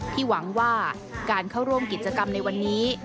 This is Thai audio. หวังว่าการเข้าร่วมกิจกรรมในวันนี้